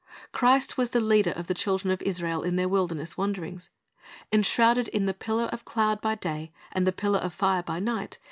Christ was the leader of the children of Israel in their wilderness wanderings. Enshrouded in the pillar of cloud by day and the pillar of fire by night.